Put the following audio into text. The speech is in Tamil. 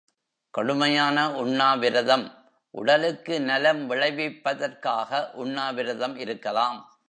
கடுமையான உண்ணாவிரதம் உடலுக்கு நலம் விளைவிப்பதற்காக உண்ணாவிரதம் இருக்கலாம்.